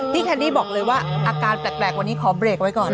แคนดี้บอกเลยว่าอาการแปลกวันนี้ขอเบรกไว้ก่อน